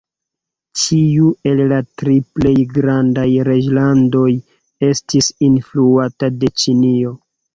Ĉiu el la tri plej grandaj reĝlandoj estis influata de Ĉinio.